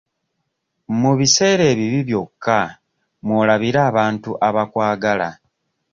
Mu biseera ebibi byokka mw'olabira abantu abakwagala.